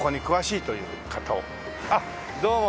あっどうも。